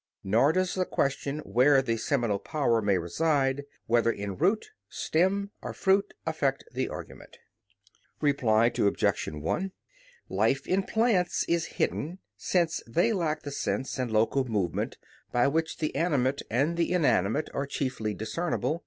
Nor does the question where the seminal power may reside, whether in root, stem, or fruit, affect the argument. Reply Obj. 1: Life in plants is hidden, since they lack sense and local movement, by which the animate and the inanimate are chiefly discernible.